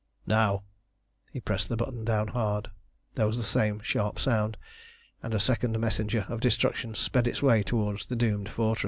"Now!" He pressed the button down hard. There was the same sharp sound, and a second messenger of destruction sped on its way towards the doomed fortress.